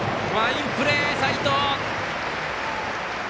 ファインプレー、齋藤。